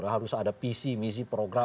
harus ada visi misi program